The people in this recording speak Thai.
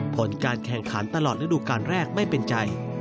ผลการแข่งขันตลอดฤดูการแรกไม่เป็นใจ